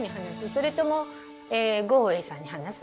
それともグオウエさんに話す？